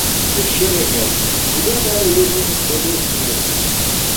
Кешіріңіз, бұдан әрі өзіңіз сөйлесіңіз.